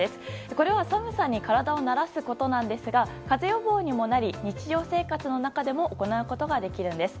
これは寒さに体を慣らすことなんですが風邪予防にもなり日常生活の中でも行うことができるんです。